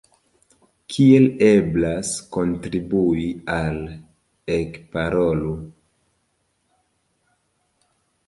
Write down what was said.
Kiel eblas kontribui al Ekparolu?